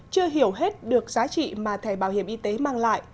chưa hiểu hết được giá trị mà thẻ bảo hiểm y tế mang lại